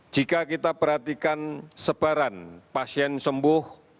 jika kita perhatikan sebaran pasien sembuh